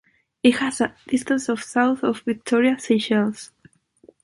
It has a distance of south of Victoria, Seychelles.